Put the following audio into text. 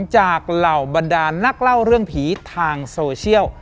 เหล่าบรรดานนักเล่าเรื่องผีทางโซเชียล